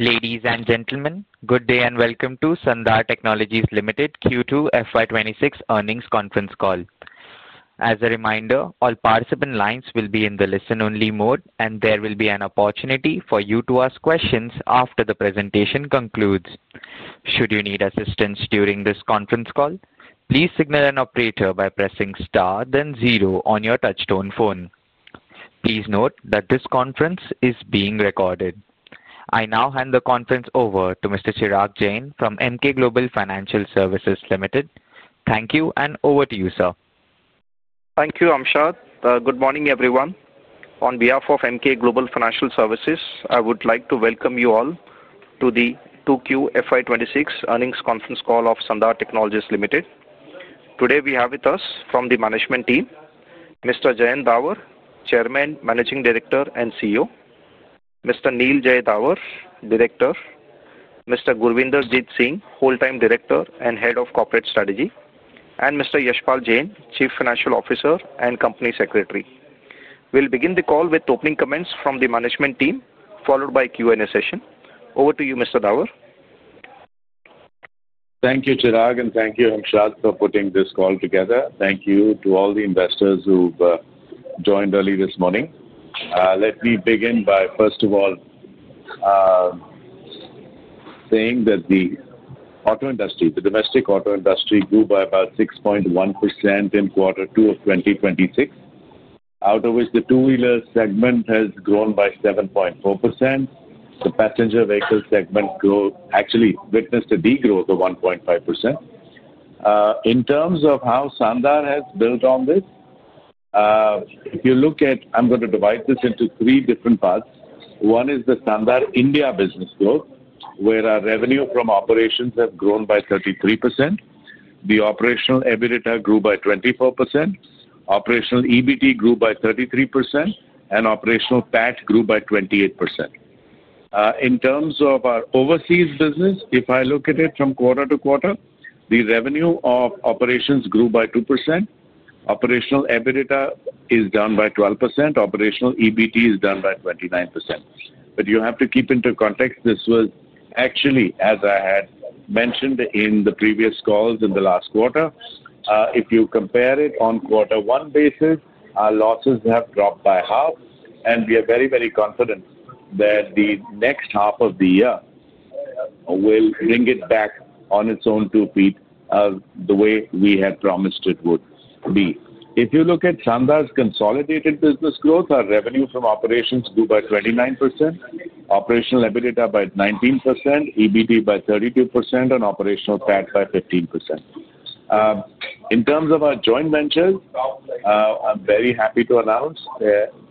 Ladies and gentlemen, good day and welcome to Sandhar Technologies Limited Q2 FY 2026 earnings conference call. As a reminder, all participant lines will be in the listen-only mode, and there will be an opportunity for you to ask questions after the presentation concludes. Should you need assistance during this conference call, please signal an operator by pressing star, then zero on your touchstone phone. Please note that this conference is being recorded. I now hand the conference over to Mr. Chirag Jain, from Emkay Global Financial Services Limited. Thank you, and over to you, sir. Thank you, Hamshad. Good morning, everyone. On behalf of Emkay Global Financial Services, I would like to welcome you all to the Q2 FY 2026 earnings conference call of Sandhar Technologies Limited. Today, we have with us from the management team, Mr. Jayant Davar, Chairman, Managing Director, and CEO, Mr. Neel Jay Davar, Director, Mr. Gurvinder Jeet Singh, Whole Time Director and Head of Corporate Strategy, and Mr. Yashpal Jain, Chief Financial Officer and Company Secretary. We'll begin the call with opening comments from the management team, followed by a Q&A session. Over to you, Mr. Davar. Thank you, Chirag, and thank you, Hamshad, for putting this call together. Thank you to all the investors who've joined early this morning. Let me begin by, first of all, saying that the auto industry, the domestic auto industry, grew by about 6.1% in Q2 of 2026, out of which the two-wheeler segment has grown by 7.4%. The passenger vehicle segment actually witnessed a degrowth of 1.5%. In terms of how Sandhar has built on this, if you look at—I am going to divide this into three different parts. One is the Sandhar India business growth, where our revenue from operations has grown by 33%. The operational EBITDA grew by 24%. Operational EBIT grew by 33%, and operational PAT grew by 28%. In terms of our overseas business, if I look at it from quarter to quarter, the revenue of operations grew by 2%. Operational EBITDA is down by 12%. Operational EBIT is down by 29%. You have to keep into context this was actually, as I had mentioned in the previous calls in the last quarter, if you compare it on a quarter-one basis, our losses have dropped by half. We are very, very confident that the next half of the year will bring it back on its own two feet the way we had promised it would be. If you look at Sandhar's consolidated business growth, our revenue from operations grew by 29%, operational EBITDA by 19%, EBIT by 32%, and operational PAT by 15%. In terms of our joint ventures, I'm very happy to announce,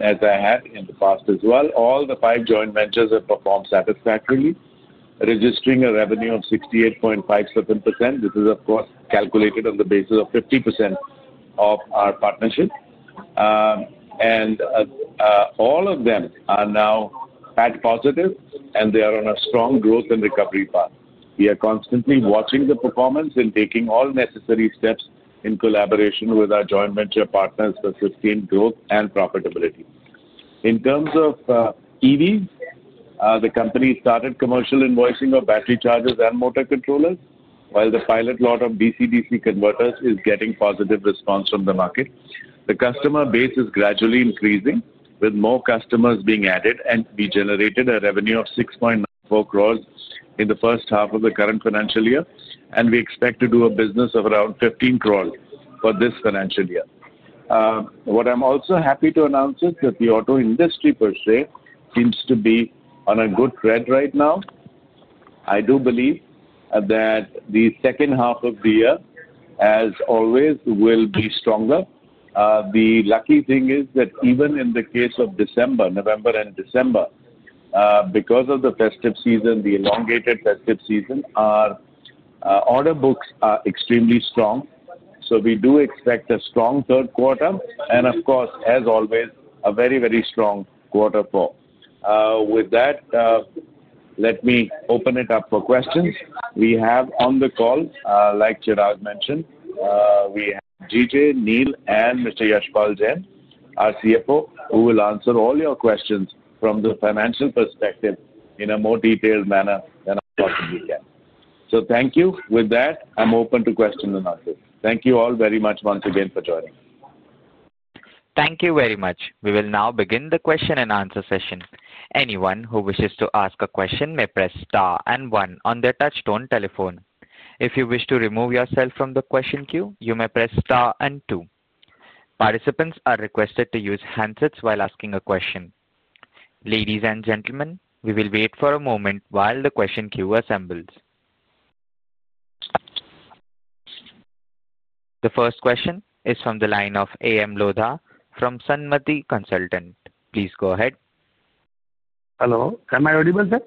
as I had in the past as well, all the five joint ventures have performed satisfactorily, registering a revenue of 68.57%. This is, of course, calculated on the basis of 50% of our partnership. All of them are now PAT positive, and they are on a strong growth and recovery path. We are constantly watching the performance and taking all necessary steps in collaboration with our joint venture partners to sustain growth and profitability. In terms of EVs, the company started commercial invoicing of battery chargers and motor controllers, while the pilot lot of DC-DC converters is getting positive response from the market. The customer base is gradually increasing, with more customers being added, and we generated a revenue of 6.4 crore in the first half of the current financial year. We expect to do a business of around 15 crore for this financial year. What I am also happy to announce is that the auto industry, per se, seems to be on a good thread right now. I do believe that the second half of the year, as always, will be stronger. The lucky thing is that even in the case of December, November, and December, because of the festive season, the elongated festive season, our order books are extremely strong. We do expect a strong third quarter and, of course, as always, a very, very strong Q4. With that, let me open it up for questions. We have on the call, like Chirag mentioned, we have GJ, Neel, and Mr. Yashpal Jain, our CFO, who will answer all your questions from the financial perspective in a more detailed manner than I possibly can. Thank you. With that, I'm open to questions and answers. Thank you all very much once again for joining. Thank you very much. We will now begin the question-and-answer session. Anyone who wishes to ask a question may press star and one on their touchstone telephone. If you wish to remove yourself from the question queue, you may press star and two. Participants are requested to use handsets while asking a question. Ladies and gentlemen, we will wait for a moment while the question queue assembles. The first question is from the line of A.M. Lodha from Sanmati Consultant. Please go ahead. Hello. Am I audible, sir?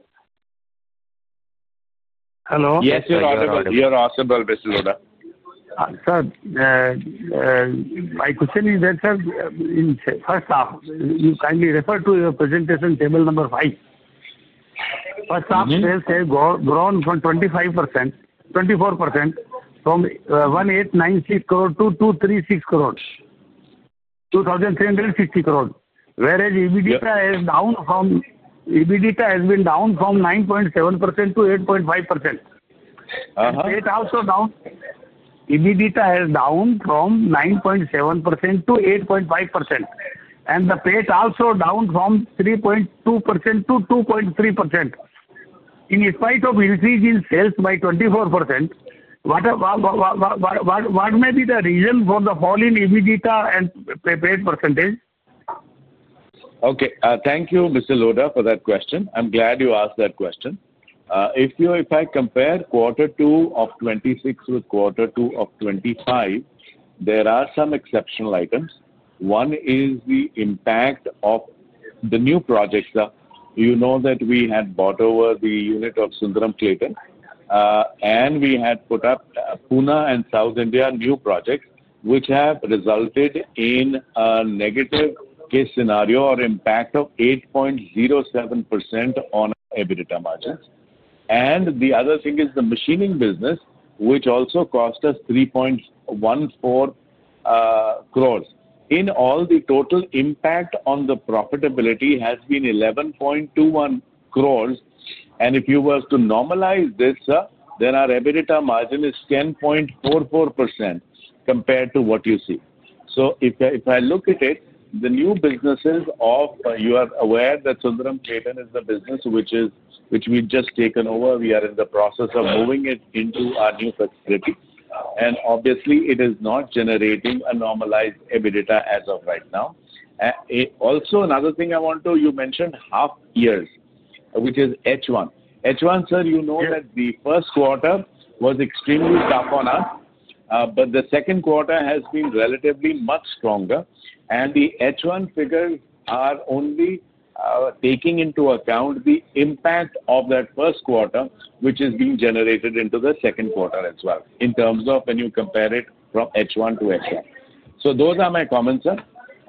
Hello? Yes, you're audible. You're audible, Mr. Lodha. Sir, my question is that, sir, first half, you kindly refer to your presentation table number five. First half says grown from 25%, 24% from 1,896 crore to 2,360 crore, whereas EBITDA has been down from 9.7% to 8.5%. The PAT also down. EBITDA has down from 9.7% to 8.5%. The PAT also down from 3.2% to 2.3%. In spite of increase in sales by 24%, what may be the reason for the fall in EBITDA and PAT percentage? Okay. Thank you, Mr. Lodha, for that question. I'm glad you asked that question. If I compare Q2 of 2026 with Q2 of 2025, there are some exceptional items. One is the impact of the new projects. You know that we had bought over the unit of Sundaram-Clayton, and we had put up Pune and South India new projects, which have resulted in a negative case scenario or impact of 8.07% on our EBITDA margins. The other thing is the machining business, which also cost us 3.14 crore. In all, the total impact on the profitability has been 11.21 crore. If you were to normalize this, sir, then our EBITDA margin is 10.44% compared to what you see. If I look at it, the new businesses of you are aware that Sundaram-Clayton is the business which we've just taken over. We are in the process of moving it into our new facility. Obviously, it is not generating a normalized EBITDA as of right now. Also, another thing I want to—you mentioned half years, which is H1. H1, sir, you know that the first quarter was extremely tough on us, but the second quarter has been relatively much stronger. The H1 figures are only taking into account the impact of that first quarter, which is being generated into the second quarter as well in terms of when you compare it from H1 to H1. Those are my comments, sir.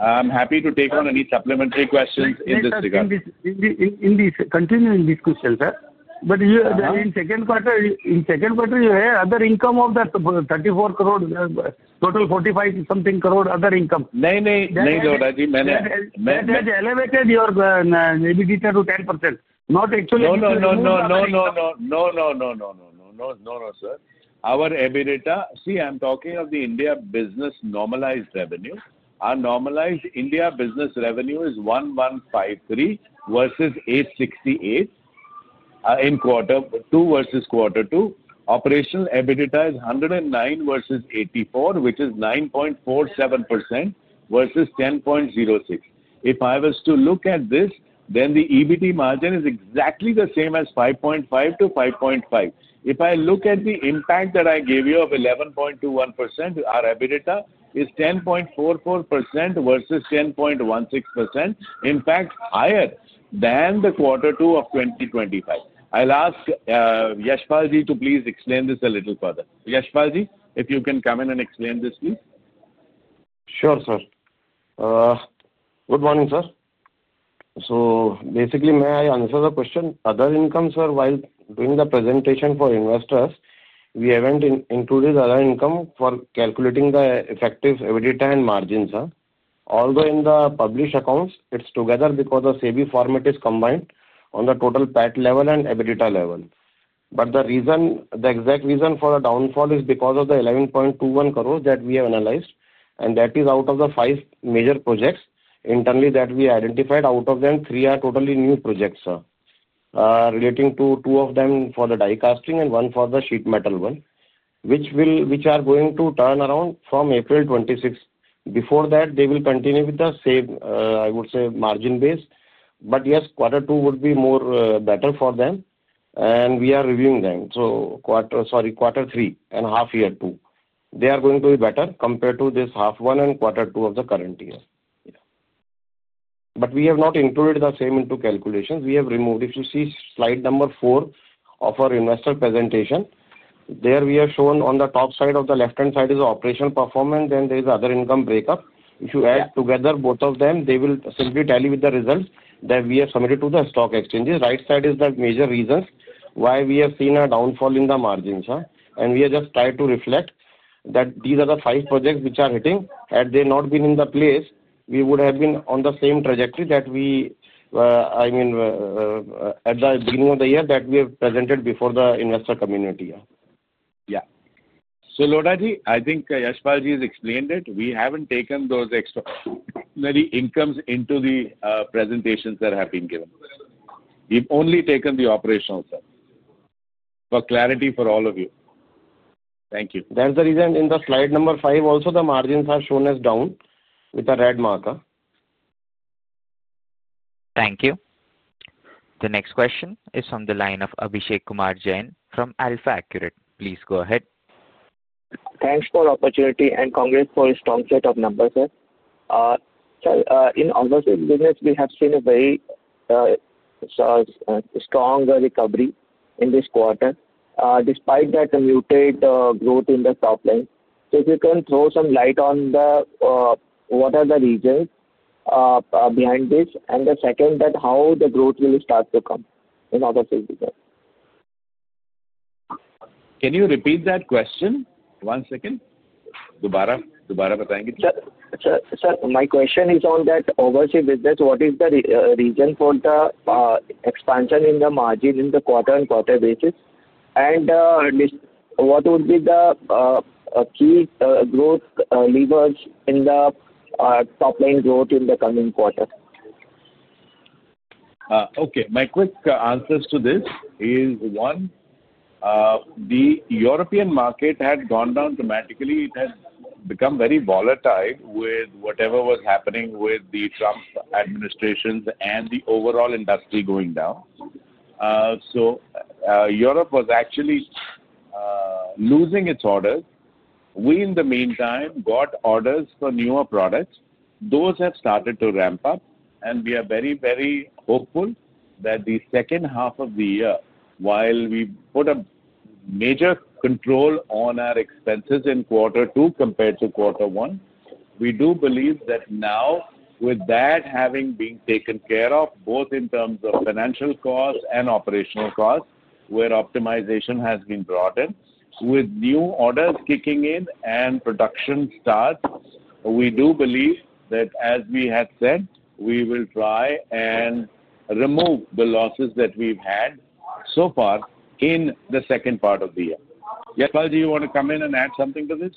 I'm happy to take on any supplementary questions in this regard. In this continuing discussion, sir, but in second quarter, in second quarter, you had other income of that INR 34 crore, total INR 45-something crore other income. No, no, no, Lodha. I meant that you elevated your EBITDA to 10%. Not actually—. No, sir. Our EBITDA—see, I'm talking of the India business normalized revenue. Our normalized India business revenue is 1,153 crore versus 868 crore in Q2 versus Q2. Operational EBITDA is 109 crore versus 84 crore, which is 9.47% versus 10.06%. If I was to look at this, then the EBITDA margin is exactly the same as 5.5%-5.5%. If I look at the impact that I gave you of 11.21%, our EBITDA is 10.44% versus 10.16%, in fact, higher than the Q2 of 2025. I'll ask Yashpal Ji to please explain this a little Yashpal Ji, if you can come in and explain this, please. Sure, sir. Good morning, sir. Basically, may I answer the question? Other income, sir, while doing the presentation for investors, we have not included other income for calculating the effective EBITDA and margins, sir. Although in the published accounts, it is together because the CB format is combined on the total PAT level and EBITDA level. The reason, the exact reason for the downfall is because of the 11.21 crores that we have analyzed, and that is out of the five major projects internally that we identified. Out of them, three are totally new projects, sir, relating to two of them for the die casting and one for the sheet metal one, which are going to turn around from April 2026. Before that, they will continue with the same, I would say, margin base. Yes, Q2 would be better for them, and we are reviewing them. Q3 and half year two, they are going to be better compared to this half one and Q2 of the current year. We have not included the same into calculations. We have removed. If you see slide number four of our investor presentation, there we have shown on the top side of the left-hand side is operational performance, then there is other income breakup. If you add together both of them, they will simply tell you with the results that we have submitted to the stock exchanges. Right side is the major reasons why we have seen a downfall in the margins, sir. We have just tried to reflect that these are the five projects which are hitting. Had they not been in the place, we would have been on the same trajectory that we—I mean, at the beginning of the year that we have presented before the investor community. Yeah. Lodha, I think Yashpal Ji has explained it. We have not taken those extraordinary incomes into the presentations that have been given. We have only taken the operational, sir, for clarity for all of you. Thank you. That's the reason in the slide number five, also the margins are shown as down with a red marker. Thank you. The next question is from the line of Abhishek Kumar Jain from AlfAccurate. Please go ahead. Thanks for the opportunity and congrats for a strong set of numbers, sir. Sir, in overseas business, we have seen a very strong recovery in this quarter despite that muted growth in the top line. If you can throw some light on what are the reasons behind this, and the second, how the growth will start to come in overseas business. Can you repeat that question? One second. [Dubaara bataengi ji]. Sir, my question is on that overseas business. What is the reason for the expansion in the margin in the quarter-on-quarter basis? What would be the key growth levers in the top line growth in the coming quarter? Okay. My quick answers to this is one, the European market had gone down dramatically. It had become very volatile with whatever was happening with the Trump administrations and the overall industry going down. Europe was actually losing its orders. We, in the meantime, got orders for newer products. Those have started to ramp up, and we are very, very hopeful that the second half of the year, while we put a major control on our expenses in Q2 compared to Q1, we do believe that now, with that having been taken care of both in terms of financial costs and operational costs, where optimization has been brought in, with new orders kicking in and production starts, we do believe that, as we had said, we will try and remove the losses that we've had so far in the second part of the year. Yashpal Ji, you want to come in and add something to this?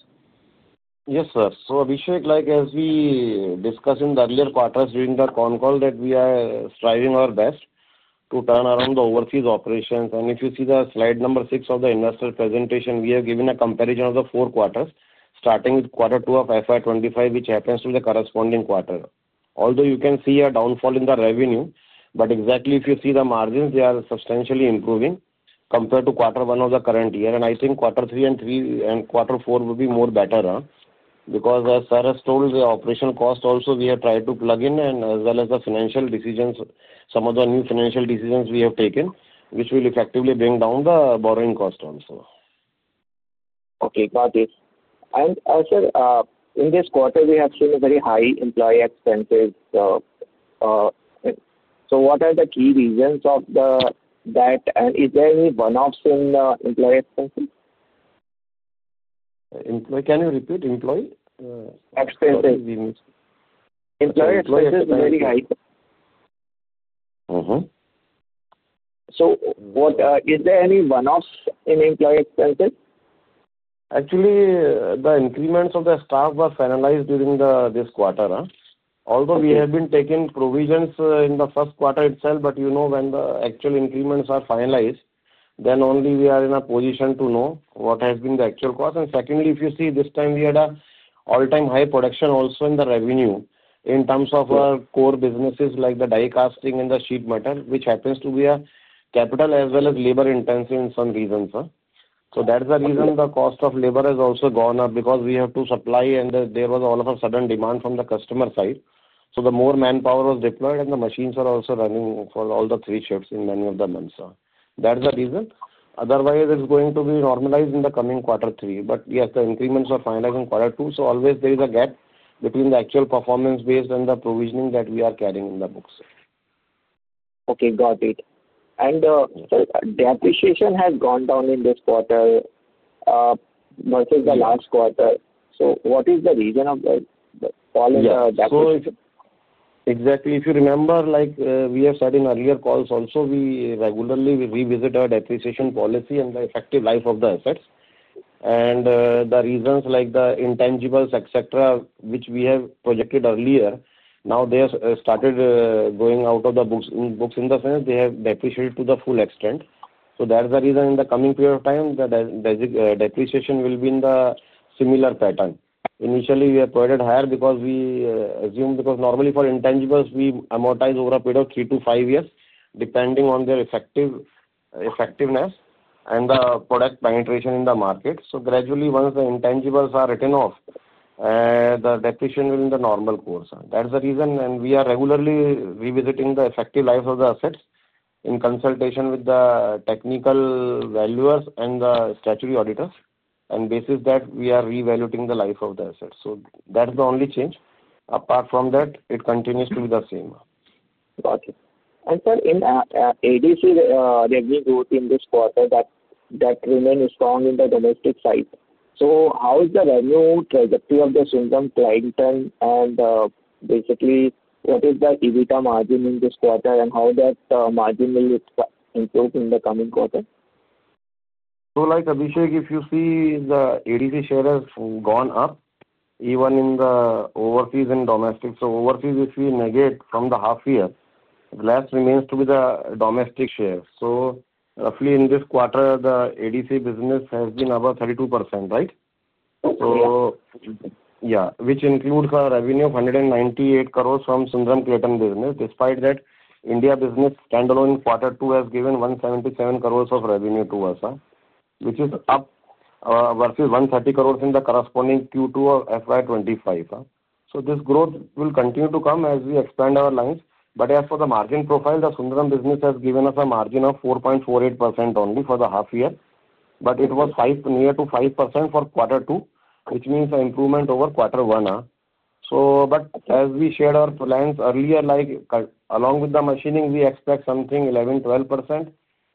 Yes, sir. So Abhishek, like as we discussed in the earlier quarters during the con call that we are striving our best to turn around the overseas operations. If you see the slide number six of the investor presentation, we have given a comparison of the four quarters, starting with Q2 of FY 2025, which happens to be the corresponding quarter. Although you can see a downfall in the revenue, if you see the margins, they are substantially improving compared to Q1 of the current year. I think Q3 and Q4 will be more better because, as sir has told, the operational cost also we have tried to plug in, as well as the financial decisions, some of the new financial decisions we have taken, which will effectively bring down the borrowing cost also. Okay. Got it. Sir, in this quarter, we have seen very high employee expenses. What are the key reasons for that? Is there any one-offs in the employee expenses? Can you repeat? Employee? Expenses. Employee expenses are very high. Is there any one-offs in employee expenses? Actually, the increments of the staff were finalized during this quarter. Although we have been taking provisions in the first quarter itself, but you know when the actual increments are finalized, then only we are in a position to know what has been the actual cost. And secondly, if you see, this time we had an all-time high production also in the revenue in terms of our core businesses like the die casting and the sheet metal, which happens to be a capital as well as labor-intensive in some reasons. That is the reason the cost of labor has also gone up because we have to supply, and there was all of a sudden demand from the customer side. The more manpower was deployed, and the machines were also running for all the three shifts in many of the months. That is the reason. Otherwise, it's going to be normalized in the coming Q3. Yes, the increments were finalized in Q2. Always there is a gap between the actual performance based on the provisioning that we are carrying in the books. Okay. Got it. The depreciation has gone down in this quarter versus the last quarter. What is the reason of the fall in the depreciation? Yes. Exactly. If you remember, like we have said in earlier calls also, we regularly revisit our depreciation policy and the effective life of the assets. The reasons like the intangibles, etc., which we have projected earlier, now they have started going out of the books in the sense they have depreciated to the full extent. That is the reason in the coming period of time that depreciation will be in the similar pattern. Initially, we have provided higher because we assumed because normally for intangibles, we amortize over a period of three to five years depending on their effectiveness and the product penetration in the market. Gradually, once the intangibles are written off, the depreciation will be in the normal course. That is the reason. We are regularly revisiting the effective life of the assets in consultation with the technical valuers and the statutory auditors. Based on that, we are reevaluating the life of the assets. That's the only change. Apart from that, it continues to be the same. Got it. Sir, in the ADC revenue growth in this quarter, that remains strong in the domestic side. How is the revenue trajectory of the Sundaram-Clayton? Basically, what is the EBITDA margin in this quarter and how will that margin improve in the coming quarter? Like Abhishek, if you see the ADC share has gone up even in the overseas and domestic. Overseas, if we negate from the half year, the last remains to be the domestic share. Roughly in this quarter, the ADC business has been above 32%, right? Which includes a revenue of 198 crore from Sundaram-Clayton business. Despite that, India business standalone in Q2 has given 177 crore of revenue to us, which is up versus 130 crore in the corresponding Q2 of FY2025. This growth will continue to come as we expand our lines. As for the margin profile, the Sundaram business has given us a margin of 4.48% only for the half year. It was near to 5% for Q2, which means an improvement over Q1. As we shared our plans earlier, like along with the machining, we expect something 11-12%.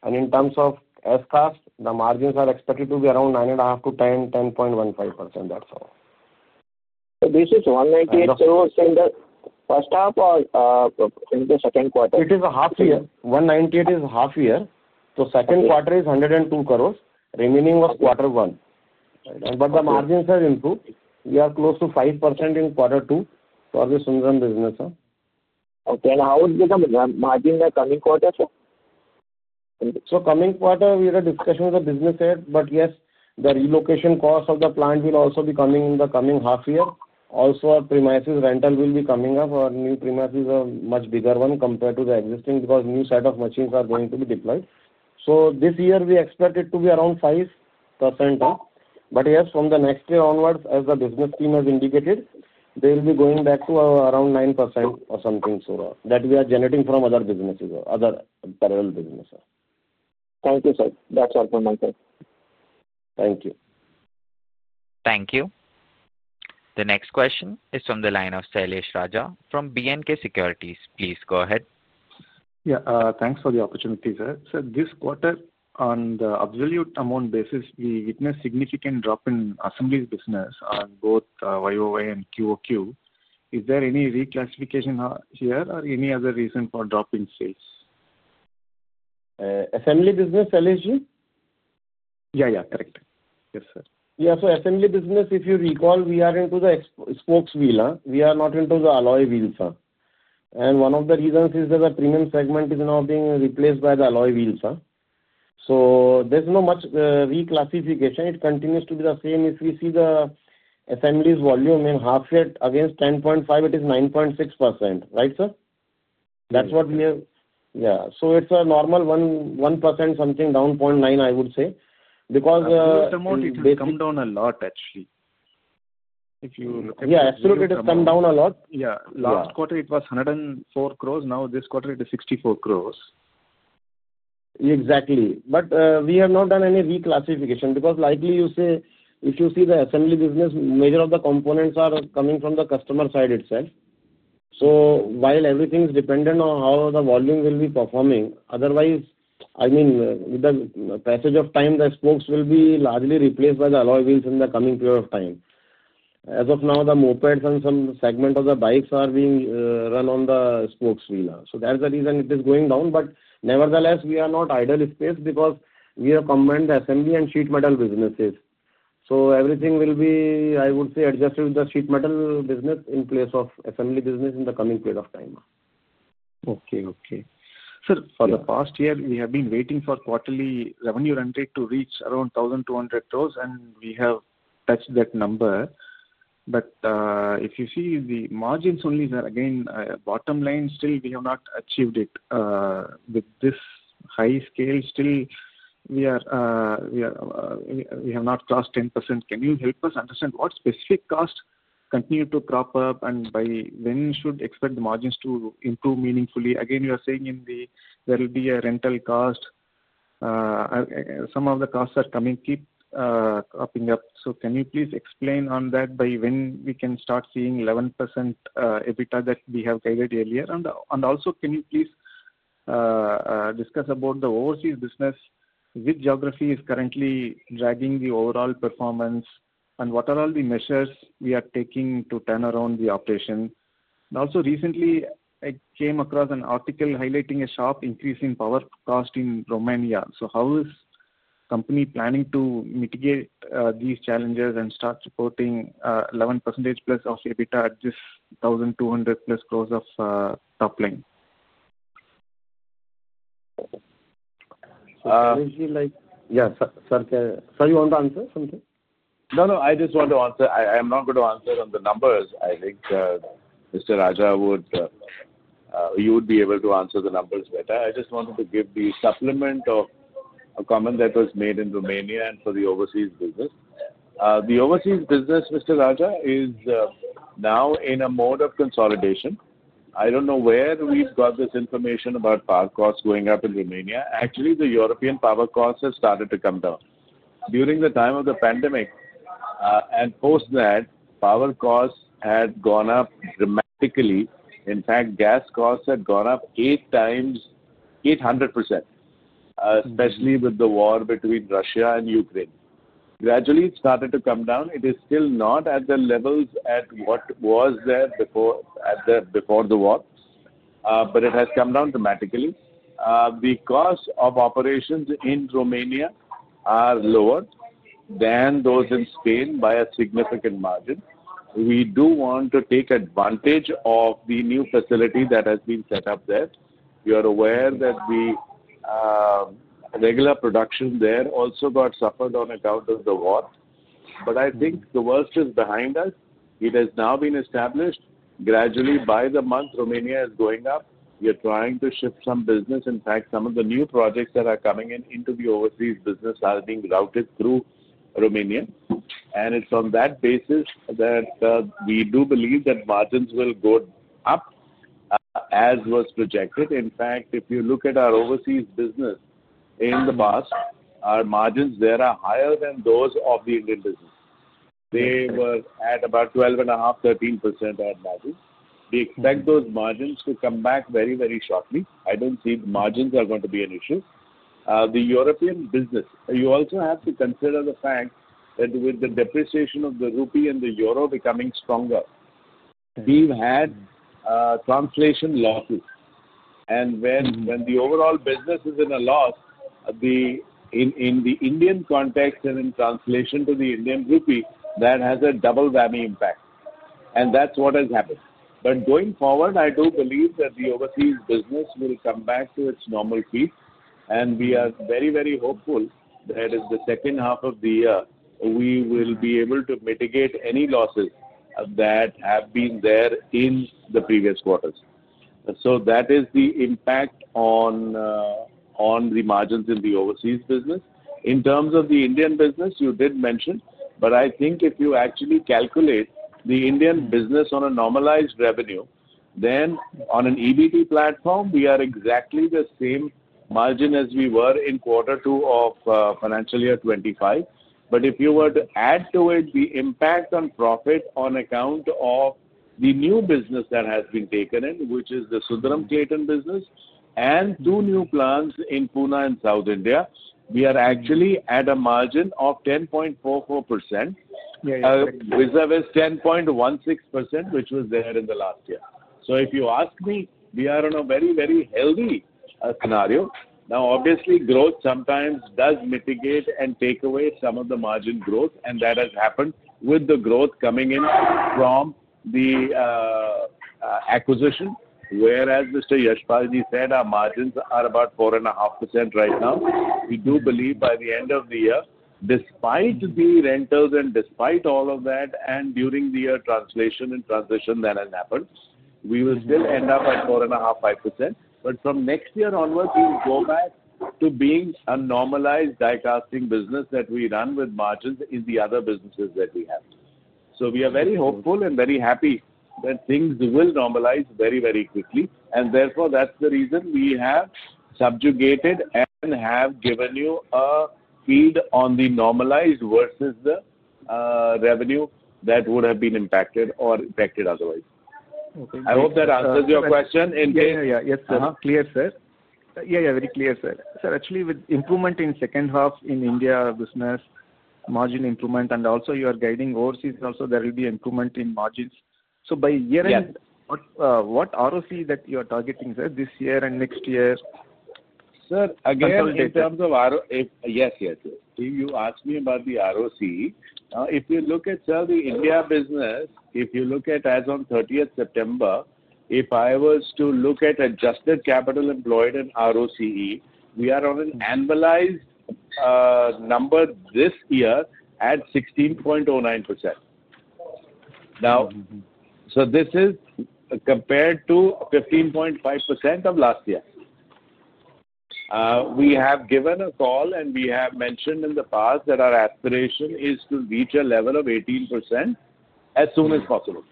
In terms of SCAS, the margins are expected to be around 9.5%-10.15%. That's all. So basically, 198 crores in the first half or in the second quarter? It is a half year. 198 crore is half year. So second quarter is 102 crore. Remaining was Q1. But the margins have improved. We are close to 5% in Q2 for the Sundaram business. Okay. How will the margin in the coming quarter? Coming quarter, we had a discussion with the business head. Yes, the relocation cost of the plant will also be coming in the coming half year. Also, our premises rental will be coming up. Our new premises are a much bigger one compared to the existing because a new set of machines are going to be deployed. This year, we expected to be around 5%. Yes, from next year onwards, as the business team has indicated, they will be going back to around 9% or something so that we are generating from other businesses, other parallel businesses. Thank you, sir. That's all from my side. Thank you. Thank you. The next question is from the line of Sailesh Raja from B&K Securities. Please go ahead. Yeah. Thanks for the opportunity. This quarter, on the absolute amount basis, we witnessed a significant drop in assembly business on both YoY and QoQ. Is there any reclassification here or any other reason for dropping sales? Assembly business, Salesh? Yeah, yeah. Correct. Yes, sir. Yeah. So assembly business, if you recall, we are into the spokes wheel. We are not into the alloy wheels. And one of the reasons is that the premium segment is now being replaced by the alloy wheels. So there's no much reclassification. It continues to be the same. If we see the assemblies volume in half year against 10.5%, it is 9.6%, right, sir? That's what we have. Yeah. So it's a normal 1% something down, 0.9%, I would say, because. This amount, it has come down a lot, actually. If you. Yeah. Absolutely. It has come down a lot. Yeah. Last quarter, it was 104 crore. Now, this quarter, it is 64 crore. Exactly. We have not done any reclassification because, like you say, if you see the assembly business, major of the components are coming from the customer side itself. While everything is dependent on how the volume will be performing, otherwise, I mean, with the passage of time, the spokes will be largely replaced by the alloy wheels in the coming period of time. As of now, the mopeds and some segment of the bikes are being run on the spokes wheel. That is the reason it is going down. Nevertheless, we are not idle space because we have combined the assembly and sheet metal businesses. Everything will be, I would say, adjusted with the sheet metal business in place of assembly business in the coming period of time. Okay, okay. Sir. For the past year, we have been waiting for quarterly revenue run rate to reach around 1,200 crore, and we have touched that number. If you see, the margins only, again, bottom line, still we have not achieved it with this high scale. Still, we have not crossed 10%. Can you help us understand what specific costs continue to crop up, and by when should we expect the margins to improve meaningfully? You are saying there will be a rental cost. Some of the costs are coming, keep cropping up. Can you please explain on that by when we can start seeing 11% EBITDA that we have guided earlier? Also, can you please discuss about the overseas business? Which geography is currently dragging the overall performance, and what are all the measures we are taking to turn around the operation? Also, recently, I came across an article highlighting a sharp increase in power cost in Romania. How is the company planning to mitigate these challenges and start supporting 11%+ of EBITDA at this 1,200+ crore top line. Yeah, sir, can sir, you want to answer something? No, no. I just want to answer. I am not going to answer on the numbers. I think Mr. Raja would you would be able to answer the numbers better. I just wanted to give the supplement of a comment that was made in Romania and for the overseas business. The overseas business, Mr. Raja, is now in a mode of consolidation. I don't know where we've got this information about power costs going up in Romania. Actually, the European power costs have started to come down. During the time of the pandemic and post that, power costs had gone up dramatically. In fact, gas costs had gone up 800%, especially with the war between Russia and Ukraine. Gradually, it started to come down. It is still not at the levels at what was there before the war, but it has come down dramatically. The cost of operations in Romania are lower than those in Spain by a significant margin. We do want to take advantage of the new facility that has been set up there. You are aware that the regular production there also got suffered on account of the war. I think the worst is behind us. It has now been established gradually. By the month, Romania is going up. We are trying to shift some business. In fact, some of the new projects that are coming into the overseas business are being routed through Romania. It is on that basis that we do believe that margins will go up as was projected. In fact, if you look at our overseas business in the past, our margins there are higher than those of the Indian business. They were at about 12.5%-13% at that. We expect those margins to come back very, very shortly. I do not see the margins are going to be an issue. The European business, you also have to consider the fact that with the depreciation of the rupee and the euro becoming stronger, we have had translation losses. When the overall business is in a loss, in the Indian context and in translation to the Indian rupee, that has a double whammy impact. That is what has happened. Going forward, I do believe that the overseas business will come back to its normal feet. We are very, very hopeful that in the second half of the year, we will be able to mitigate any losses that have been there in the previous quarters. That is the impact on the margins in the overseas business. In terms of the Indian business, you did mention, but I think if you actually calculate the Indian business on a normalized revenue, then on an EBITDA platform, we are exactly the same margin as we were in Q2 of financial year 2025. If you were to add to it the impact on profit on account of the new business that has been taken in, which is the Sundaram-Clayton business and two new plants in Pune and South India, we are actually at a margin of 10.44% versus 10.16%, which was there in the last year. If you ask me, we are on a very, very healthy scenario. Now, obviously, growth sometimes does mitigate and take away some of the margin growth, and that has happened with the growth coming in from the acquisition. Whereas Mr. Yashpal Ji said our margins are about 4.5% right now, we do believe by the end of the year, despite the rentals and despite all of that, and during the year translation and transition that has happened, we will still end up at 4.5%-5%. From next year onwards, we will go back to being a normalized die-casting business that we run with margins in the other businesses that we have. We are very hopeful and very happy that things will normalize very, very quickly. Therefore, that's the reason we have subjugated and have given you a feed on the normalized versus the revenue that would have been impacted or affected otherwise. I hope that answers your question. Yes, sir. Clear, sir. Very clear, sir. Sir, actually, with improvement in second half in India business, margin improvement, and also you are guiding overseas, also there will be improvement in margins. By year-end, what ROC that you are targeting, sir, this year and next year? Sir, again, in terms of ROC, yes, yes, yes. You asked me about the ROC. If you look at, sir, the India business, if you look at as of 30 September, if I was to look at adjusted capital employed in ROCE, we are on an annualized number this year at 16.09%. Now, this is compared to 15.5% of last year. We have given a call, and we have mentioned in the past that our aspiration is to reach a level of 18% as soon as possible.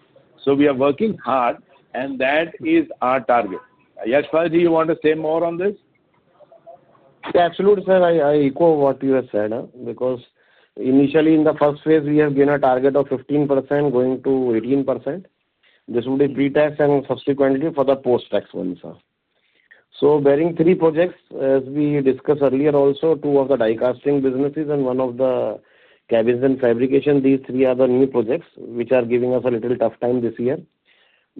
We are working hard, and that is our target. Yashpal Ji, you want to say more on this? Absolutely, sir. I echo what you have said because initially, in the first phase, we have given a target of 15% going to 18%. This will be pre-tax and subsequently for the post-tax one, sir. So bearing three projects, as we discussed earlier, also two of the die-casting businesses and one of the Cabins and Fabrication, these three are the new projects which are giving us a little tough time this year.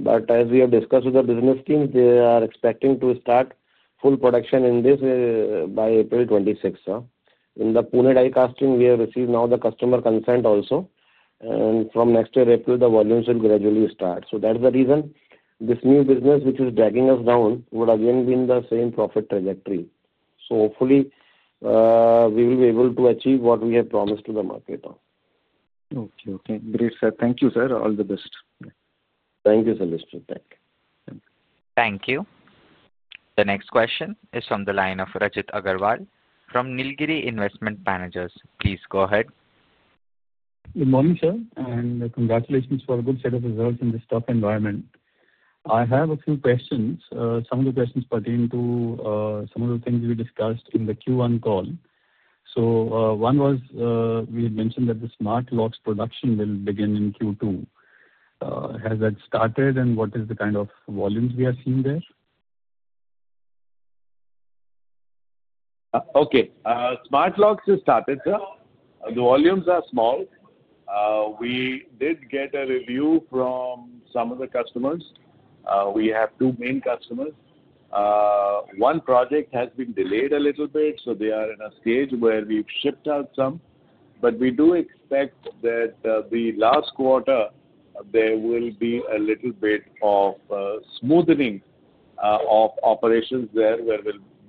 As we have discussed with the business team, they are expecting to start full production in this by April 2026. In the Pune die-casting, we have received now the customer consent also. From next year, April, the volumes will gradually start. That is the reason this new business, which is dragging us down, would again be in the same profit trajectory. Hopefully, we will be able to achieve what we have promised to the market. Okay, okay. Great, sir. Thank you, sir. All the best. Thank you, Salesh Ji. Thank you. Thank you. The next question is from the line of Rajit Aggarwal from Nilgiri Investment Managers. Please go ahead. Good morning, sir. Congratulations for a good set of results in this tough environment. I have a few questions, some of the questions pertain to some of the things we discussed in the Q1 call. One was we had mentioned that the smart locks production will begin in Q2. Has that started, and what is the kind of volumes we are seeing there? Okay. Smart locks have started, sir. The volumes are small. We did get a review from some of the customers. We have two main customers. One project has been delayed a little bit, so they are in a stage where we've shipped out some. We do expect that the last quarter, there will be a little bit of smoothening of operations there where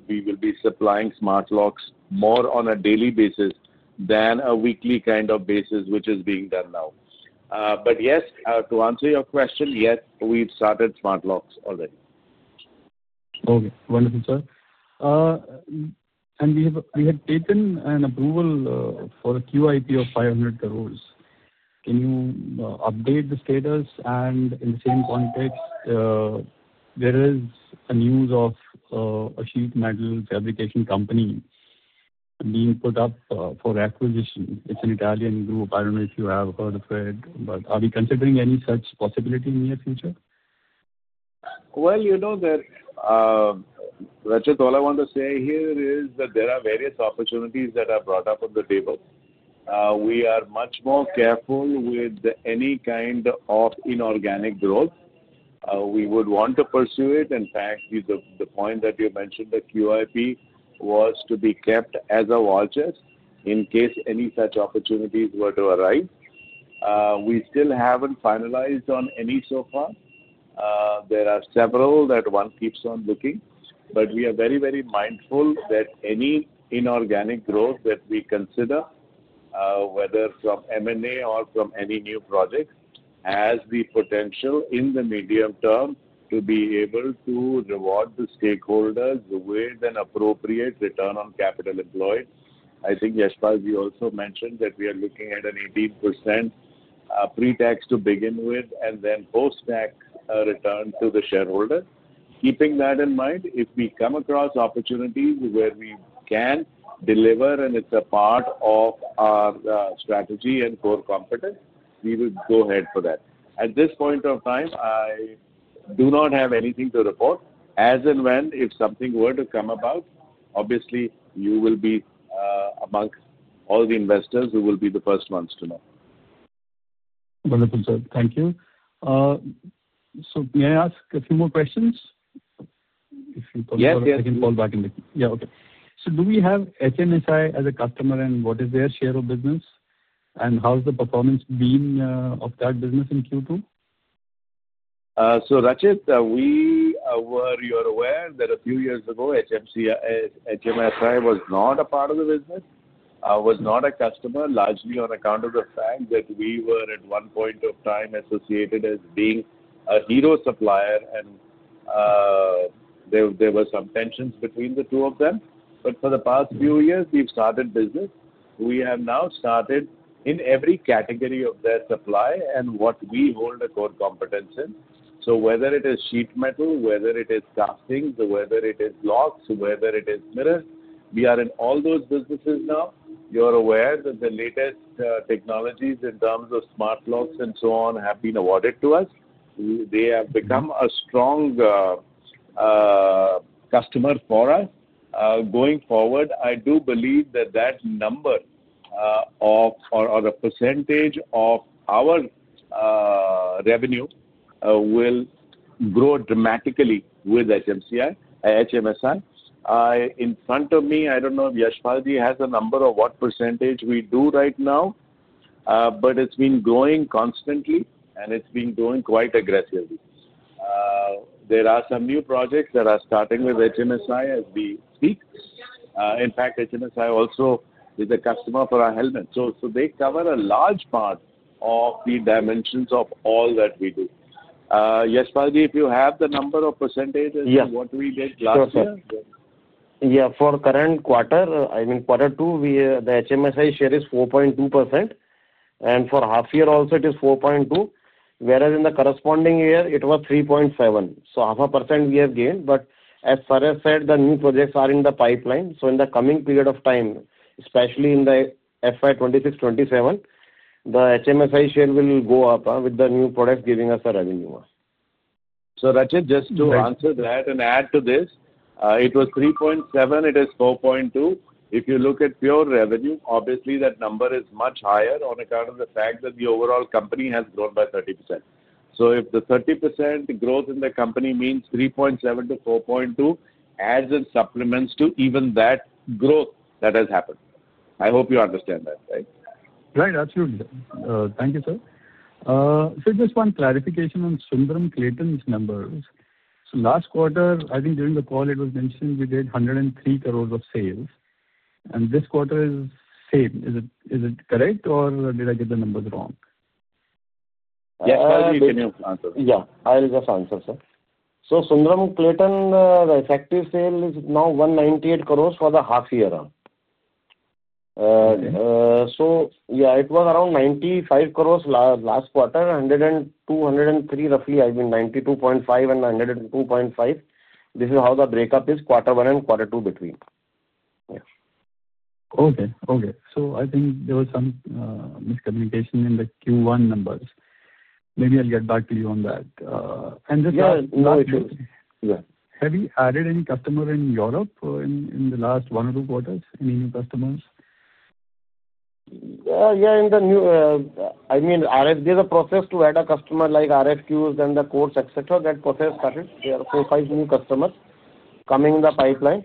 we will be supplying smart locks more on a daily basis than a weekly kind of basis, which is being done now. Yes, to answer your question, yes, we've started smart locks already. Okay. Wonderful, sir. We had taken an approval for a QIP of 500 crore. Can you update the status? In the same context, there is a news of a sheet metal fabrication company being put up for acquisition. It's an Italian group. I don't know if you have heard of it, but are we considering any such possibility in the near future? You know, Rajit, all I want to say here is that there are various opportunities that are brought up on the table. We are much more careful with any kind of inorganic growth. We would want to pursue it. In fact, the point that you mentioned, the QIP was to be kept as a watch list in case any such opportunities were to arise. We still have not finalized on any so far. There are several that one keeps on looking. We are very, very mindful that any inorganic growth that we consider, whether from M&A or from any new projects, has the potential in the medium term to be able to reward the stakeholders with an appropriate return on capital employed. I think, Yashpal Ji, you also mentioned that we are looking at an 18% pre-tax to begin with and then post-tax return to the shareholder. Keeping that in mind, if we come across opportunities where we can deliver and it's a part of our strategy and core competence, we will go ahead for that. At this point of time, I do not have anything to report. As and when, if something were to come about, obviously, you will be amongst all the investors who will be the first ones to know. Wonderful, sir. Thank you. May I ask a few more questions? If you call back in the... Yes, yes. Yeah, okay. Do we have HMSI as a customer, and what is their share of business? How has the performance been of that business in Q2? Rajit, you are aware that a few years ago, HMSI was not a part of the business, was not a customer, largely on account of the fact that we were at one point of time associated as being a hero supplier, and there were some tensions between the two of them. For the past few years, we've started business. We have now started in every category of their supply and what we hold a core competence in. Whether it is sheet metal, whether it is castings, whether it is locks, whether it is mirrors, we are in all those businesses now. You are aware that the latest technologies in terms of smart locks and so on have been awarded to us. They have become a strong customer for us. Going forward, I do believe that that number or the percentage of our revenue will grow dramatically with HMSI. In front of me, I do not know if Yashpal Ji has a number of what percentage we do right now, but it has been growing constantly, and it has been growing quite aggressively. There are some new projects that are starting with HMSI as we speak. In fact, HMSI also is a customer for our helmets. They cover a large part of the dimensions of all that we do. Yashpal Ji, if you have the number of percentages of what we did last year... Yeah, for current quarter, I mean, quarter two, the HMSI share is 4.2%. And for half year also, it is 4.2%. Whereas in the corresponding year, it was 3.7%. So half a percent we have gained. But as Faresh said, the new projects are in the pipeline. In the coming period of time, especially in the FY 2026-2027, the HMSI share will go up with the new products giving us a revenue. Rajit, just to answer that and add to this, it was 3.7%; it is 4.2%. If you look at pure revenue, obviously, that number is much higher on account of the fact that the overall company has grown by 30%. If the 30% growth in the company means 3.7%-4.2%, adds and supplements to even that growth that has happened. I hope you understand that, right? Right, absolutely. Thank you, sir. Just one clarification on Sundaram-Clayton's numbers. Last quarter, I think during the call, it was mentioned we did 103 crore of sales. This quarter is the same. Is it correct, or did I get the numbers wrong? Yashpal Ji, can you answer that? Yeah, I'll just answer, sir. So Sundaram-Clayton, the effective sale is now 198 crore for the half year round. Yeah, it was around 95 crore last quarter, 102, 103 roughly, I mean 92.5% and 102.5%. This is how the breakup is quarter one and quarter two between. Okay, okay. I think there was some miscommunication in the Q1 numbers. Maybe I'll get back to you on that. This last quarter... Yeah, no issues. Have you added any customer in Europe in the last one or two quarters? Any new customers? Yeah, in the new, I mean, there's a process to add a customer like RFQs and the quotes, etc. That process started. There are four or five new customers coming in the pipeline.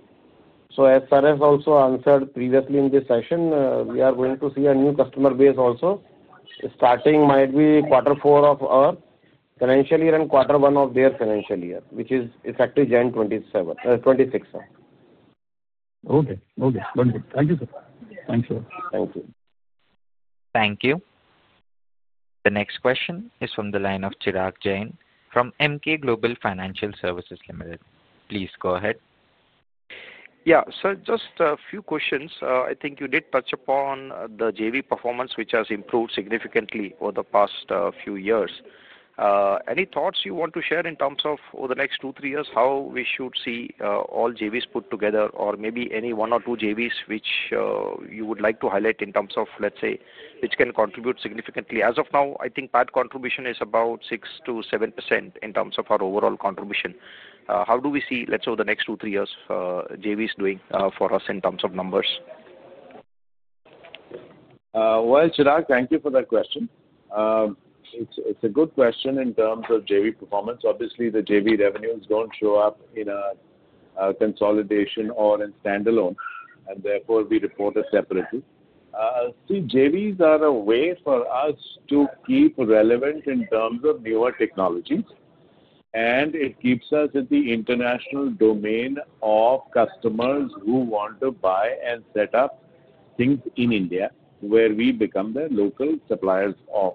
As Faresh also answered previously in this session, we are going to see a new customer base also. Starting might be quarter four of our financial year and quarter one of their financial year, which is effective January 2026. Okay, okay. Wonderful. Thank you, sir. Thank you. Thank you. The next question is from the line of Chirag Jain from Emkay Global Financial Services Limited. Please go ahead. Yeah, sir, just a few questions. I think you did touch upon the JV performance, which has improved significantly over the past few years. Any thoughts you want to share in terms of over the next two, three years, how we should see all JVs put together, or maybe any one or two JVs which you would like to highlight in terms of, let's say, which can contribute significantly? As of now, I think PAT contribution is about 6%-7% in terms of our overall contribution. How do we see, let's say, over the next two, three years, JVs doing for us in terms of numbers? Chirag, thank you for that question. It's a good question in terms of JV performance. Obviously, the JV revenues don't show up in a consolidation or in standalone, and therefore we report it separately. See, JVs are a way for us to keep relevant in terms of newer technologies. It keeps us in the international domain of customers who want to buy and set up things in India where we become their local suppliers of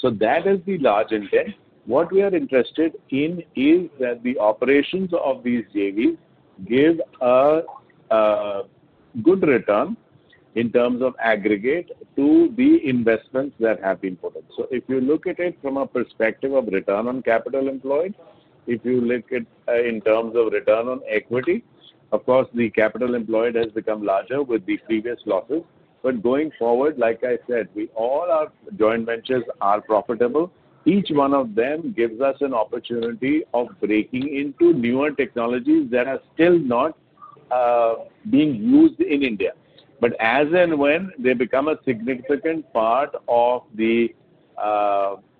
sorts. That is the large intent. What we are interested in is that the operations of these JVs give a good return in terms of aggregate to the investments that have been put in. If you look at it from a perspective of return on capital employed, if you look at it in terms of return on equity, of course, the capital employed has become larger with the previous losses. Going forward, like I said, all our joint ventures are profitable. Each one of them gives us an opportunity of breaking into newer technologies that are still not being used in India. As and when they become a significant part of the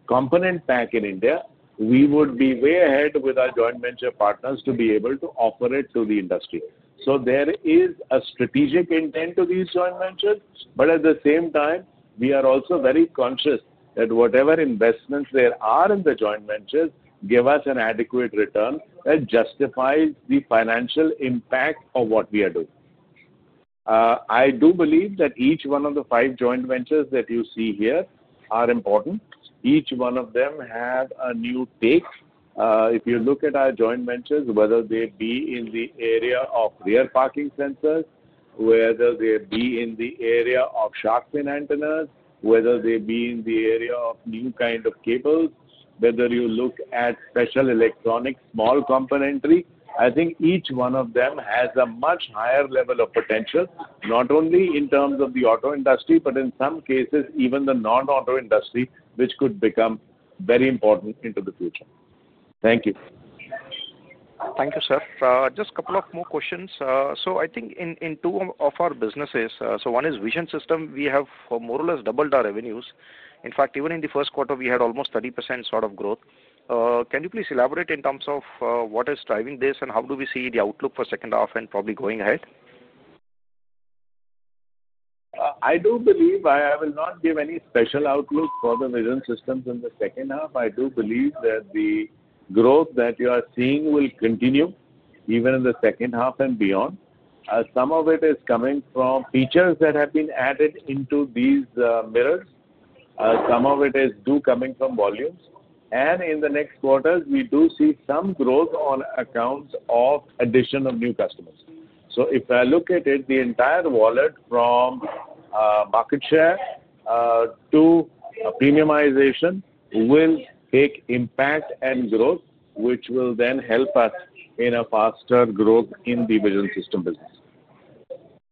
component pack in India, we would be way ahead with our joint venture partners to be able to offer it to the industry. There is a strategic intent to these joint ventures. At the same time, we are also very conscious that whatever investments there are in the joint ventures give us an adequate return that justifies the financial impact of what we are doing. I do believe that each one of the five joint ventures that you see here are important. Each one of them has a new take. If you look at our joint ventures, whether they be in the area of rear parking sensors, whether they be in the area of shark fin antennas, whether they be in the area of new kind of cables, whether you look at special electronics, small componentry, I think each one of them has a much higher level of potential, not only in terms of the auto industry, but in some cases, even the non-auto industry, which could become very important into the future. Thank you. Thank you, sir. Just a couple of more questions. I think in two of our businesses, one is vision system, we have more or less doubled our revenues. In fact, even in the first quarter, we had almost 30% sort of growth. Can you please elaborate in terms of what is driving this and how do we see the outlook for second half and probably going ahead? I do believe I will not give any special outlook for the vision systems in the second half. I do believe that the growth that you are seeing will continue even in the second half and beyond. Some of it is coming from features that have been added into these mirrors. Some of it is coming from volumes. In the next quarters, we do see some growth on account of the addition of new customers. If I look at it, the entire wallet from market share to premiumization will take impact and growth, which will then help us in a faster growth in the vision system business.